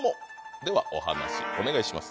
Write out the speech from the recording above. ではお話お願いします。